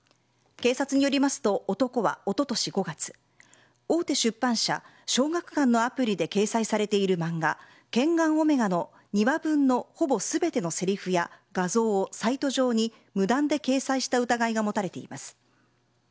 警察によりますと男はおととし５月大手出版社・小学館のアプリで掲載されている漫画「ケンガンオメガ」の２話分のほぼ全てのセリフや画像をサイト上に無断で掲載した疑いが持たれています。